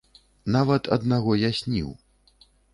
Нават аднаго я сніў.